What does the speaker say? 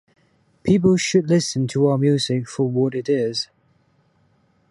People should listen to our music for what it is.